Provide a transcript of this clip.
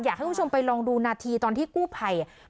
อยากให้คุณผู้ชมไปลองดูนาทีตอนที่กู้ภัย